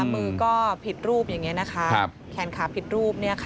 มือก็ผิดรูปอย่างนี้นะคะแขนขาผิดรูป